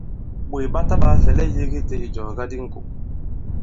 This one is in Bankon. Ɓòt ɓa taɓāa fɛ̀lɛ yēge i tē ìjɔ̀ga di ŋkò.